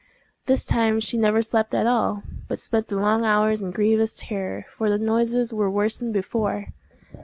This time she never slept at all, but spent the long hours in grievous terror, for the noises were worse than before.